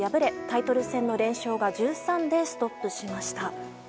タイトル戦の連勝が１３でストップしました。